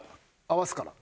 合わすから。